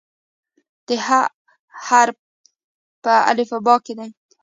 د "ح" حرف په الفبا کې دی.